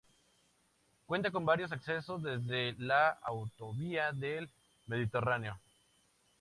Cuenta con varios accesos desde la Autovía del Mediterráneo.